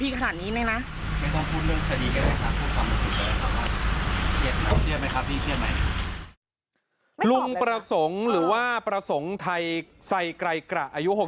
พี่ประสงค์เชียบไหมครับ